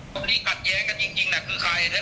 ตรงนี้กัดแย้งจริงคือใคร